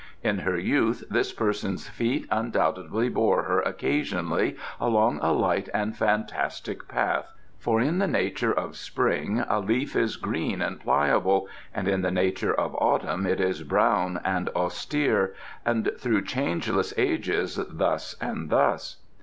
In her youth this person's feet undoubtedly bore her occasionally along a light and fantastic path, for in the nature of spring a leaf is green and pliable, and in the nature of autumn it is brown and austere, and through changeless ages thus and thus.